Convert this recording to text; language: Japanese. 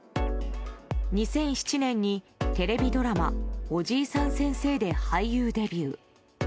２００７年にテレビドラマ「おじいさん先生」で俳優デビュー。